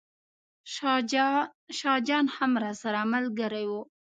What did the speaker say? شاه جان هم راسره ملګری و.